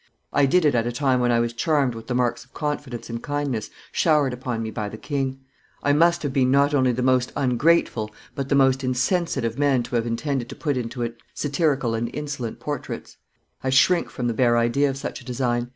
I did it at a time when I was charmed with the marks of confidence and kindness showered upon me by the king; I must have been not only the most ungrateful but the most insensate of men to have intended to put into it satirical and insolent portraits; I shrink from the bare idea of such a design.